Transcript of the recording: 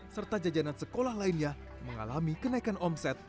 serta jajanan sekolah lainnya mengalami kenaikan omset